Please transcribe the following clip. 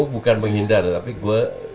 bukan menghindar tapi gue